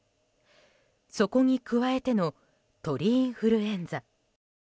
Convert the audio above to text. そこに加えての鳥インフルエンザ。